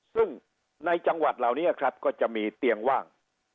ซึ่งในจังหวัดเหล่านี้ครับก็จะมีเตียงว่าง